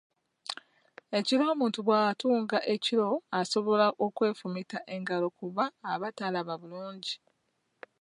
Ekiro omuntu bw'atunga ekiro asobola okwefumita engalo kubanga aba talaba bulungi.